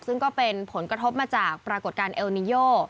ซึ่งก็เป็นผลกระทบมาจากปรากฏการณ์เอลนิโย